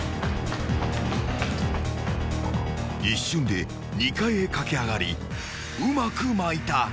［一瞬で２階へ駆け上がりうまくまいた］